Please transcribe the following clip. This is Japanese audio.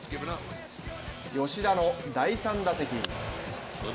吉田の第３打席。